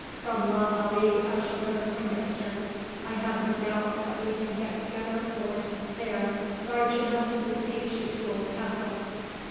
From la Vallee I shall go to Pointdexter. I have no doubt that we can get together a force, there, large enough to besiege de Tulle's castle."